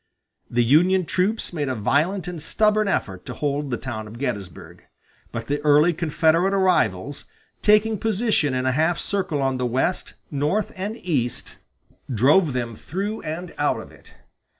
The Union troops made a violent and stubborn effort to hold the town of Gettysburg; but the early Confederate arrivals, taking position in a half circle on the west, north, and east, drove them through and out of it.